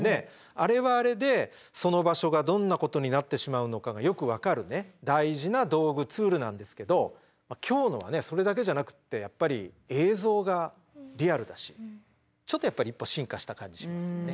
あれはあれでその場所がどんなことになってしまうのかがよく分かるね大事な道具ツールなんですけど今日のはねそれだけじゃなくってやっぱり映像がリアルだしちょっとやっぱり一歩進化した感じしますよね。